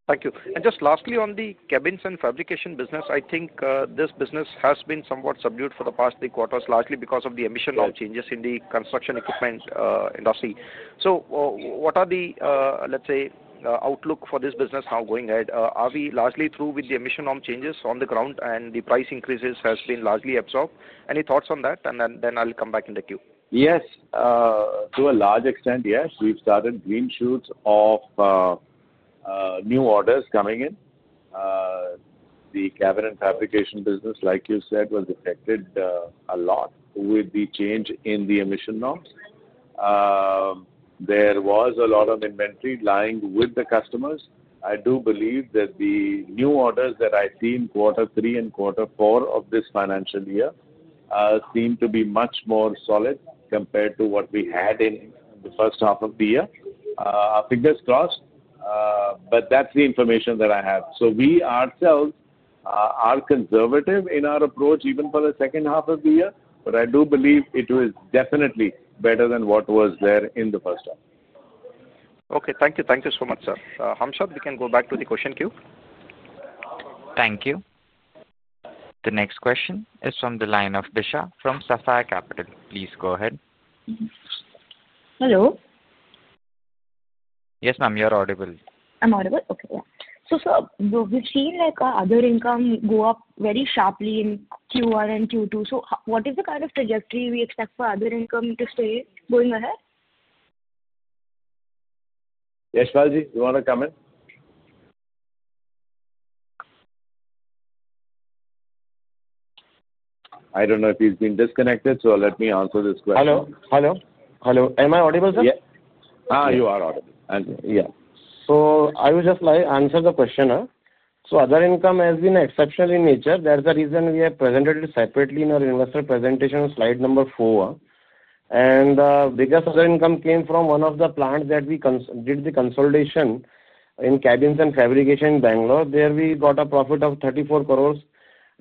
Thank you. Just lastly, on the Cabins and Fabrication business, I think this business has been somewhat subdued for the past three quarters, largely because of the emission norm changes in the construction equipment industry. What are the, let's say, outlook for this business now going ahead? Are we largely through with the emission norm changes on the ground, and the price increases have been largely absorbed? Any thoughts on that? I'll come back in the queue. Yes, to a large extent, yes. We've started green shoots of new orders coming in. The cabin and fabrication business, like you said, was affected a lot with the change in the emission norms. There was a lot of inventory lying with the customers. I do believe that the new orders that I see in quarter three and quarter four of this financial year seem to be much more solid compared to what we had in the first half of the year. Our fingers crossed, but that's the information that I have. We ourselves are conservative in our approach even for the second half of the year. I do believe it was definitely better than what was there in the first half. Okay, thank you. Thank you so much, sir. Hamshad, we can go back to the question queue. Thank you. The next question is from the line of Bishar from Sapphire Capital. Please go ahead. Hello. Yes, ma'am, you're audible. I'm audible. Okay. We've seen other income go up very sharply in Q1 and Q2. What is the kind of trajectory we expect for other income to stay going ahead? Yashpal Ji, you want to come in? I don't know if he's been disconnected, so let me answer this question. Hello. Am I audible, sir? Yeah, you are audible. Yeah. I will just answer the question. Other income has been exceptional in nature. That is the reason we have presented it separately in our investor presentation on slide number four. Other income came from one of the plants that we did the consolidation in Cabins and Fabrication in Bangalore. There we got a profit of 34 crore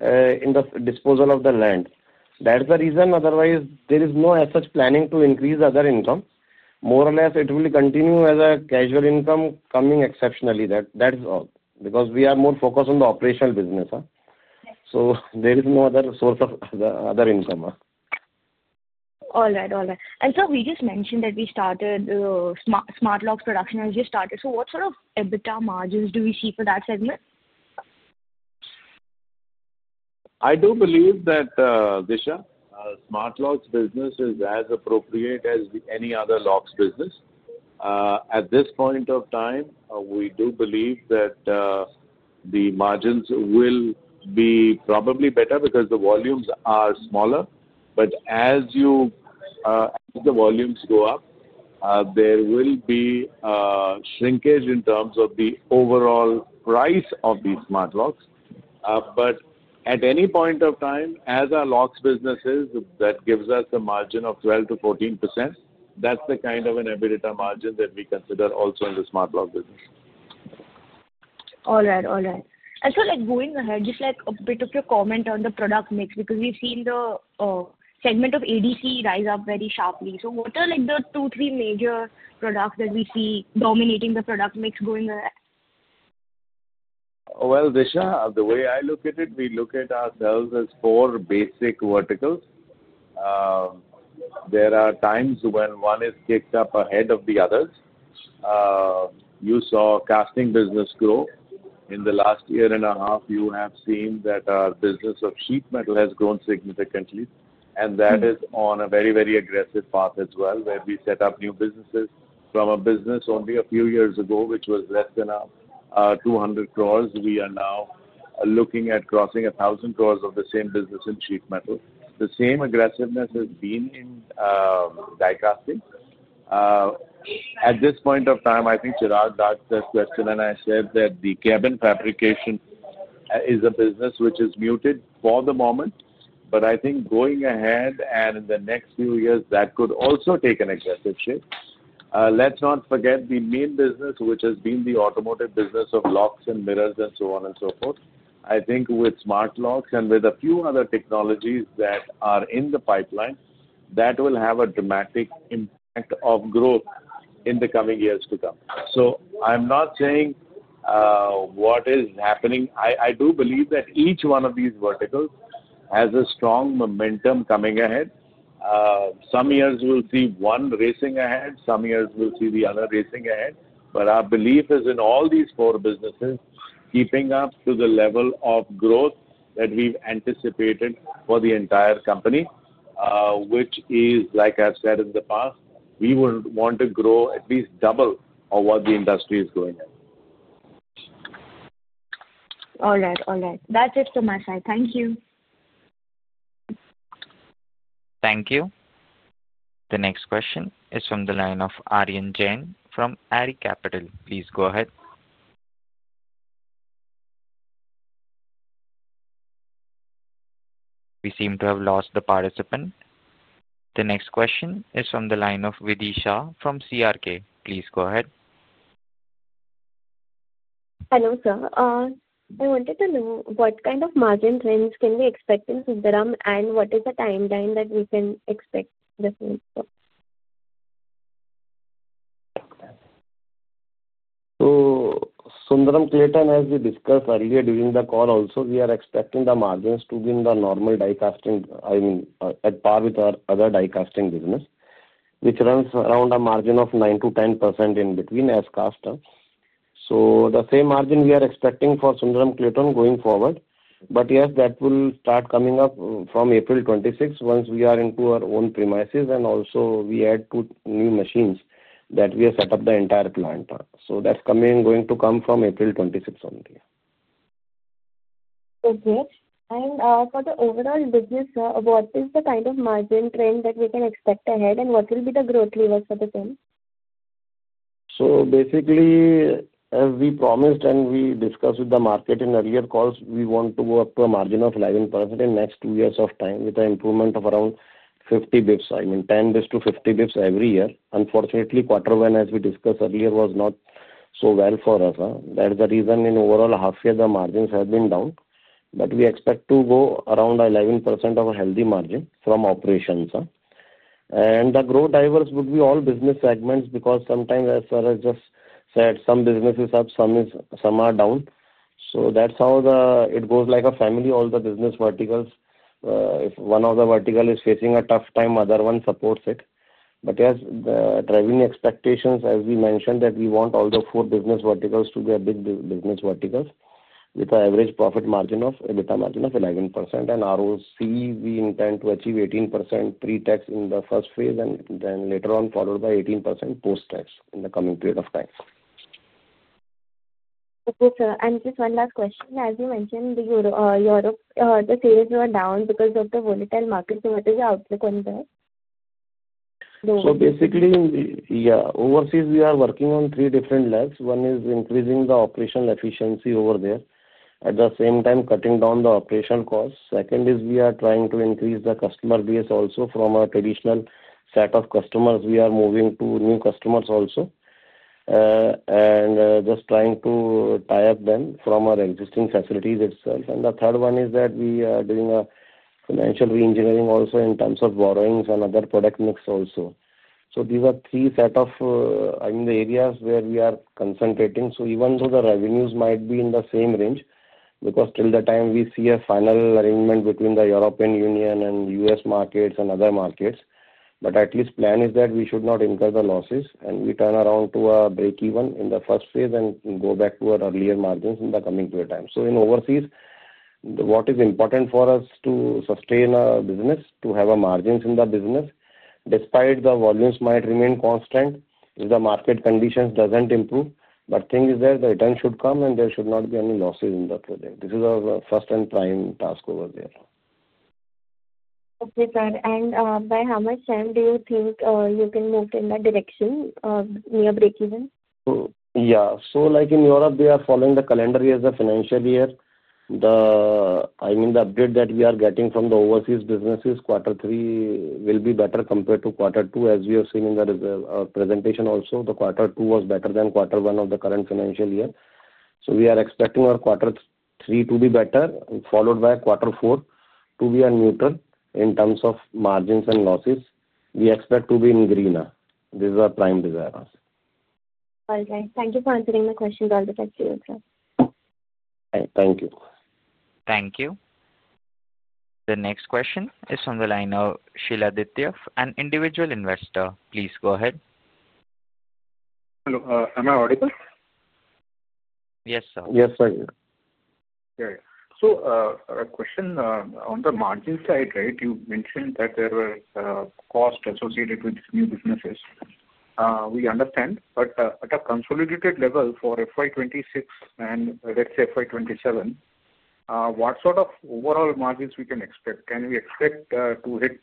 in the disposal of the land. That is the reason. Otherwise, there is no such planning to increase other income. More or less, it will continue as a casual income coming exceptionally. That is all. We are more focused on the operational business. There is no other source of other income. All right, all right. We just mentioned that we started Smart Locks production. We just started. What sort of EBITDA margins do we see for that segment? I do believe that, Bishar, Smart Locks business is as appropriate as any other locks business. At this point of time, we do believe that the margins will be probably better because the volumes are smaller. As the volumes go up, there will be a shrinkage in terms of the overall price of these Smart Locks. At any point of time, as our locks business is, that gives us a margin of 12%-14%. That's the kind of an EBITDA margin that we consider also in the Smart Locks business. All right, all right. Going ahead, just a bit of your comment on the product mix because we've seen the segment of ADC rise up very sharply. What are the two, three major products that we see dominating the product mix going ahead? Bishar, the way I look at it, we look at ourselves as four basic verticals. There are times when one is kicked up ahead of the others. You saw casting business grow. In the last year and a half, you have seen that our business of sheet metal has grown significantly. That is on a very, very aggressive path as well, where we set up new businesses. From a business only a few years ago, which was less than 200 crore, we are now looking at crossing 1,000 crore of the same business in sheet metal. The same aggressiveness has been in die casting. At this point of time, I think Chirag asked that question, and I said that the cabin fabrication is a business which is muted for the moment. I think going ahead and in the next few years, that could also take an aggressive shape. Let's not forget the main business, which has been the automotive business of locks and mirrors and so on and so forth. I think with Smart Locks and with a few other technologies that are in the pipeline, that will have a dramatic impact of growth in the coming years to come. I'm not saying what is happening. I do believe that each one of these verticals has a strong momentum coming ahead. Some years we'll see one racing ahead. Some years we'll see the other racing ahead. Our belief is in all these four businesses keeping up to the level of growth that we've anticipated for the entire company, which is, like I've said in the past, we would want to grow at least double of what the industry is going at. All right, all right. That's it from my side. Thank you. Thank you. The next question is from the line of Aryan Jain from Ari Capital. Please go ahead. We seem to have lost the participant. The next question is from the line of Vidisha from CRK. Please go ahead. Hello, sir. I wanted to know what kind of margin trends can we expect Sundaram-Clayton and what is the timeline that we can expect the full? Sundaram-Clayton, as we discussed earlier during the call, also we are expecting the margins to be in the normal die casting, I mean, at par with our other die casting business, which runs around a margin of 9%-10% in between as cast. The same margin we are expecting for Sundaram-Clayton going forward. Yes, that will start coming up from April 26 once we are into our own premises. Also, we add two new machines that we have set up the entire plant. That is going to come from April 26 only. Okay. For the overall business, what is the kind of margin trend that we can expect ahead and what will be the growth levels for the same? Basically, as we promised and we discussed with the market in earlier calls, we want to go up to a margin of 11% in the next two years of time with an improvement of around 50 basis points. I mean, 10 basis points to 50 basis points every year. Unfortunately, quarter one, as we discussed earlier, was not so well for us. That's the reason in overall half year, the margins have been down. We expect to go around 11% of a healthy margin from operations. The growth drivers would be all business segments because sometimes, as far as just said, some businesses up, some are down. That's how it goes like a family, all the business verticals. If one of the verticals is facing a tough time, the other one supports it. Yes, driving expectations, as we mentioned, that we want all the four business verticals to be big business verticals with an average profit margin of EBITDA margin of 11%. ROC, we intend to achieve 18% pre-tax in the first phase and then later on followed by 18% post-tax in the coming period of time. Okay, sir. Just one last question. As you mentioned, the sales were down because of the volatile market. What is your outlook on that? Basically, yeah, overseas, we are working on three different levels. One is increasing the operational efficiency over there at the same time, cutting down the operational costs. Second is we are trying to increase the customer base also from our traditional set of customers. We are moving to new customers also and just trying to tie up them from our existing facilities itself. The third one is that we are doing a financial re-engineering also in terms of borrowings and other product mix also. These are three sets of, I mean, the areas where we are concentrating. Even though the revenues might be in the same range, because till the time we see a final arrangement between the European Union and U.S. markets and other markets, at least the plan is that we should not incur the losses and we turn around to a break-even in the first phase and go back to our earlier margins in the coming period of time. In overseas, what is important for us to sustain our business is to have a margin in the business, despite the volumes might remain constant if the market conditions do not improve. The thing is, the return should come and there should not be any losses in that way. This is our first and prime task over there. Okay, sir. By how much time do you think you can move in that direction, near break-even? Yeah. Like in Europe, we are following the calendar year as the financial year. I mean, the update that we are getting from the overseas businesses, quarter three will be better compared to quarter two, as we have seen in the presentation also. Quarter two was better than quarter one of the current financial year. We are expecting our quarter three to be better, followed by quarter four to be neutral in terms of margins and losses. We expect to be in green. This is our prime desire. All right. Thank you for answering my questions. All the best to you as well. Thank you. Thank you. The next question is from the line of Sheila Aditya, an individual investor. Please go ahead. Hello. Am I audible? Yes, sir. Yes, sir. Yeah, yeah. So a question on the margin side, right? You mentioned that there were costs associated with new businesses. We understand. But at a consolidated level for FY 2026 and let's say FY 2027, what sort of overall margins we can expect? Can we expect to hit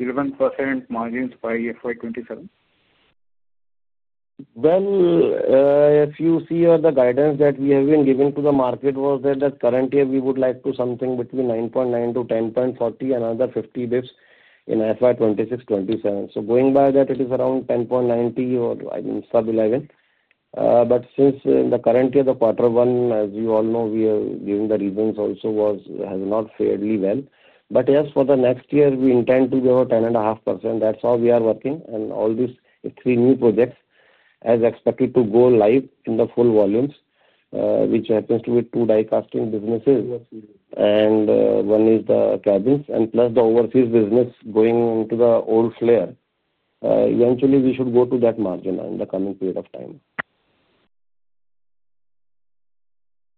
11% margins by FY 2027? If you see on the guidance that we have been giving to the market, the current year we would like to do something between 9.9%-10.40% and another 50 basis points in FY 2026-2027. Going by that, it is around 10.90% or, I mean, sub-11%. Since the current year, the quarter one, as you all know, we are giving the reasons also, has not fared well. Yes, for the next year, we intend to be about 10.5%. That is how we are working. All these three new projects are expected to go live in the full volumes, which happens to be two die-casting businesses and one is the cabins. Plus the overseas business going into the old flare. Eventually, we should go to that margin in the coming period of time.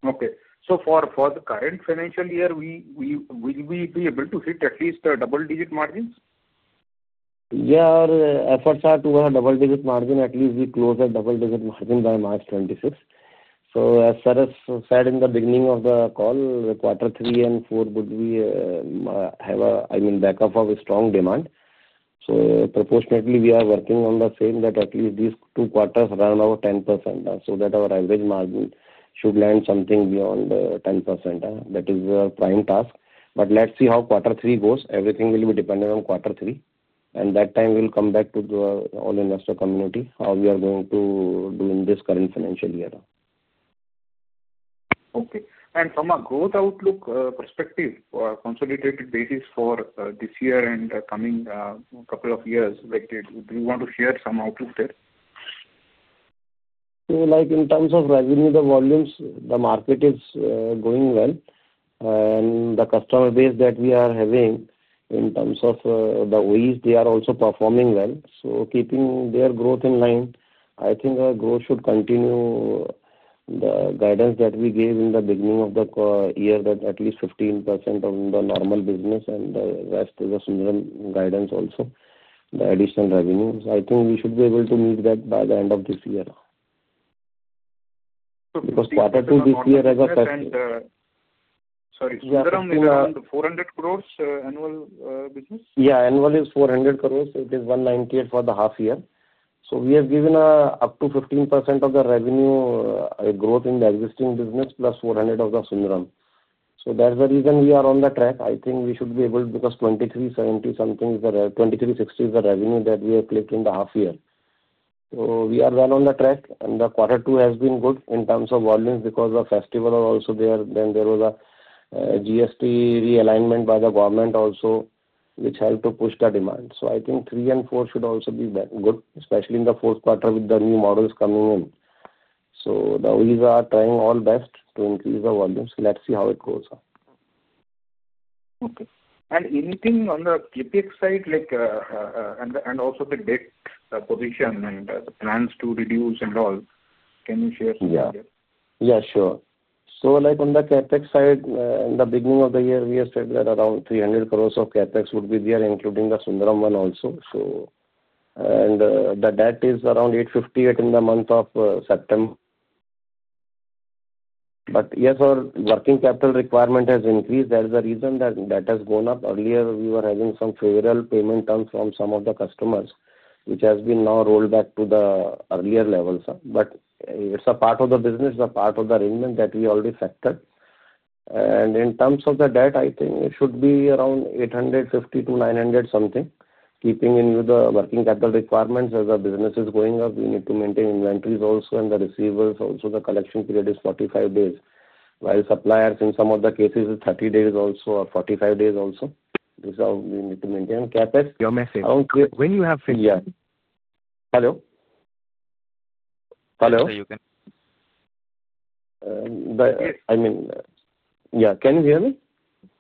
Okay. So for the current financial year, will we be able to hit at least double-digit margins? Yeah. Our efforts are to have double-digit margin. At least we close at double-digit margin by March 2026. As far as said in the beginning of the call, quarter three and four would have a, I mean, backup of a strong demand. Proportionately, we are working on the same that at least these two quarters run about 10%. That our average margin should land something beyond 10%. That is our prime task. Let's see how quarter three goes. Everything will be dependent on quarter three. At that time, we'll come back to the all investor community how we are going to do in this current financial year. Okay. From a growth outlook perspective, consolidated basis for this year and coming couple of years, do you want to share some outlook there? In terms of revenue, the volumes, the market is going well. The customer base that we are having in terms of the OEs, they are also performing well. Keeping their growth in line, I think our growth should continue. The guidance that we gave in the beginning of the year that at least 15% of the normal business and the rest is a Sundaram guidance also, the additional revenues. I think we should be able to meet that by the end of this year. Quarter two this year has a festival. Sorry. Sundaram is around 400 crore annual business? Yeah. Annual is 400 crore. It is 198 crore for the half year. We have given up to 15% of the revenue growth in the existing business plus 400 crore of the Sundaram. That is the reason we are on the track. I think we should be able to because 2,370 something is the 2,360 crore is the revenue that we have clicked in the half year. We are well on the track. The quarter two has been good in terms of volumes because the festival is also there. There was a GST realignment by the government also, which helped to push the demand. I think three and four should also be good, especially in the fourth quarter with the new models coming in. The OEs are trying all best to increase the volumes. Let's see how it goes. Okay. Anything on the CapEx side, and also the debt position and the plans to reduce and all, can you share? Yeah. Yeah, sure. On the CapEx side, in the beginning of the year, we have said that around 300 crore of CapEx would be there, including the Sundaram one also. That is around 858 crore in the month of September. Yes, our working capital requirement has increased. That is the reason that has gone up. Earlier, we were having some favorable payment terms from some of the customers, which has now been rolled back to the earlier levels. It is a part of the business, a part of the arrangement that we already factored. In terms of the debt, I think it should be around 850 crore-900 crore. Keeping in view the working capital requirements, as the business is going up, we need to maintain inventories also and the receivables. Also, the collection period is 45 days, while suppliers in some of the cases is 30 days also or 45 days also. This is how we need to maintain CapEx. Your message. When you have finished. Yeah. Hello. Hello. You can. I mean, yeah. Can you hear me?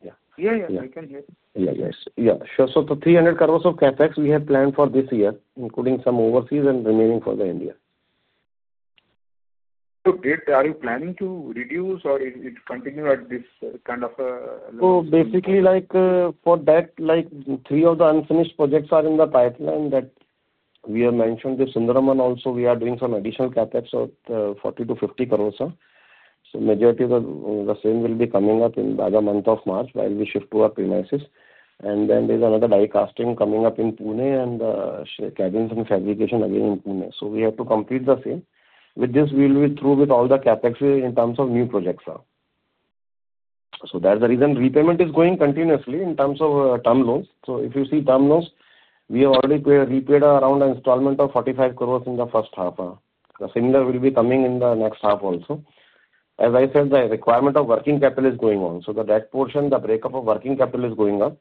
Yeah, yeah. I can hear you. Yeah, yes. Yeah. So the 300 crore of CapEx we have planned for this year, including some overseas and remaining for the India. Are you planning to reduce or continue at this kind of? Basically, for debt, three of the unfinished projects are in the pipeline that we have mentioned. The Sundaram one also, we are doing some additional CapEx of 40 crore-50 crore. The majority of the same will be coming up in the month of March while we shift to our premises. There is another die casting coming up in Pune and Cabins and Fabrication again in Pune. We have to complete the same. With this, we will be through with all the CapEx in terms of new projects. That is the reason. Repayment is going continuously in terms of term loans. If you see term loans, we have already repaid around an installment of 45 crore in the first half. Similar will be coming in the next half also. As I said, the requirement of working capital is going on. The debt portion, the breakup of working capital is going up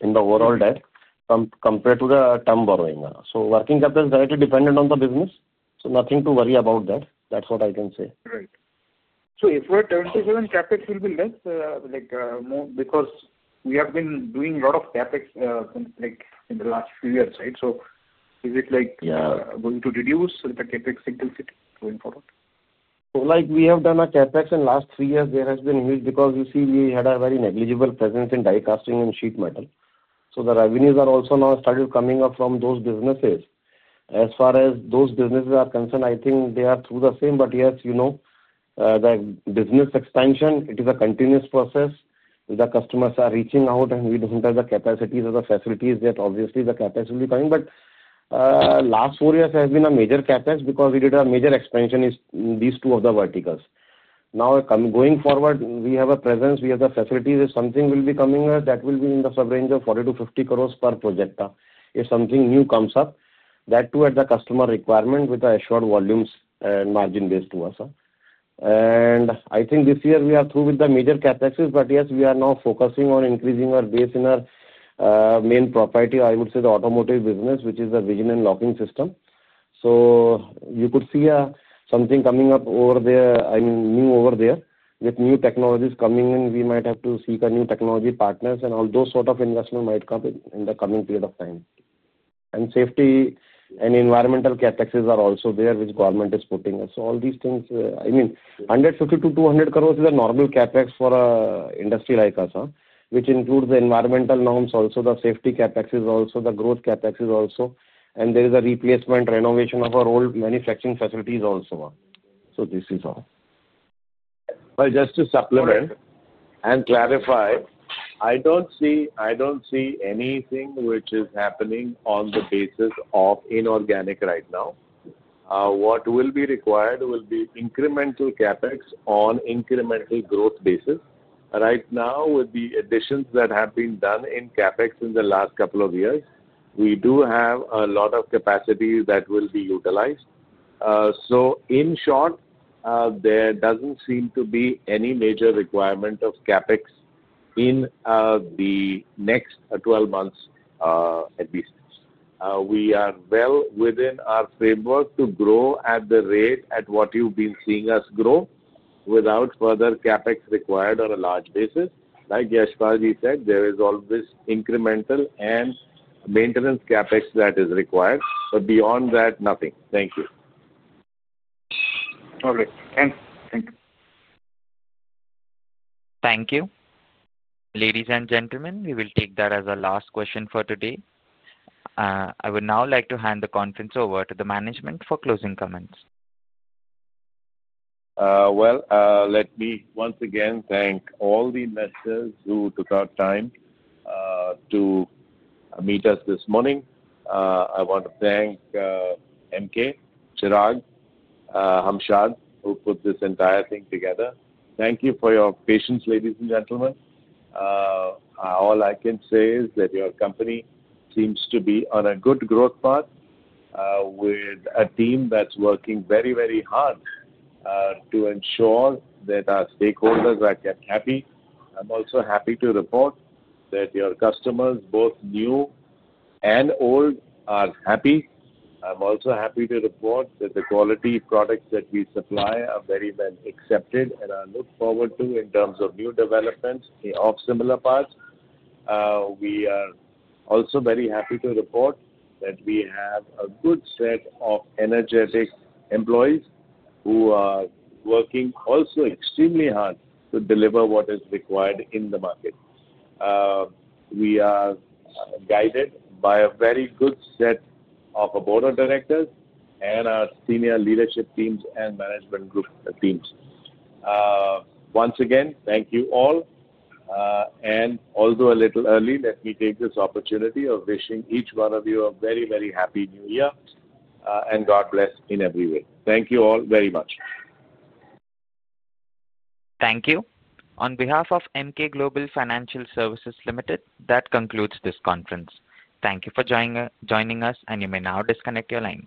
in the overall debt compared to the term borrowing. Working capital is directly dependent on the business. Nothing to worry about that. That's what I can say. Right. If we are 27, CapEx will be less because we have been doing a lot of CapEx in the last few years, right? Is it going to reduce the CapEx going forward? We have done a CapEx in the last three years. There has been huge because you see we had a very negligible presence in die casting and sheet metal. The revenues are also now started coming up from those businesses. As far as those businesses are concerned, I think they are through the same. Yes, the business expansion, it is a continuous process. The customers are reaching out, and if we do not have the capacity or the facilities, obviously the CapEx will be coming. The last four years have been a major CapEx because we did a major expansion in these two of the verticals. Now going forward, we have a presence. We have the facilities. If something will be coming, that will be in the sub-range of 40 crore-50 crore per project if something new comes up. That too at the customer requirement with the assured volumes and margin based to us. I think this year we are through with the major CapEx. Yes, we are now focusing on increasing our base in our main property. I would say the automotive business, which is the vision and locking system. You could see something coming up over there, I mean, new over there with new technologies coming in. We might have to seek new technology partners, and all those sort of investment might come in the coming period of time. Safety and environmental CapEx are also there, which government is putting. All these things, I mean, 150 crore-200 crores is a normal CapEx for an industry like us, which includes the environmental norms also, the safety CapEx also, the growth CapEx also. There is a replacement renovation of our old manufacturing facilities also. This is all. Just to supplement and clarify, I do not see anything which is happening on the basis of inorganic right now. What will be required will be incremental CapEx on incremental growth basis. Right now, with the additions that have been done in CapEx in the last couple of years, we do have a lot of capacity that will be utilized. In short, there does not seem to be any major requirement of CapEx in the next 12 months at least. We are well within our framework to grow at the rate at what you have been seeing us grow without further CapEx required on a large basis. Like Yashpal Ji said, there is always incremental and maintenance CapEx that is required. Beyond that, nothing. Thank you. All right. Thank you. Thank you. Ladies and gentlemen, we will take that as our last question for today. I would now like to hand the conference over to the management for closing comments. Let me once again thank all the investors who took out time to meet us this morning. I want to thank Emkay, Chirag, Hamshad, who put this entire thing together. Thank you for your patience, ladies and gentlemen. All I can say is that your company seems to be on a good growth path with a team that's working very, very hard to ensure that our stakeholders are kept happy. I'm also happy to report that your customers, both new and old, are happy. I'm also happy to report that the quality products that we supply are very well accepted and are looked forward to in terms of new developments of similar parts. We are also very happy to report that we have a good set of energetic employees who are working also extremely hard to deliver what is required in the market. We are guided by a very good set of board of directors and our senior leadership teams and management group teams. Once again, thank you all. Although a little early, let me take this opportunity of wishing each one of you a very, very Happy New Year and God bless in every way. Thank you all very much. Thank you. On behalf of Emkay Global Financial Services Limited, that concludes this conference. Thank you for joining us, and you may now disconnect your lines.